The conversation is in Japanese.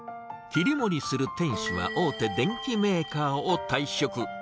切り盛りする店主は、大手電機メーカーを退職。